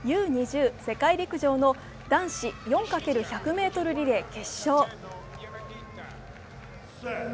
世界陸上の男子４×４００ｍリレー決勝。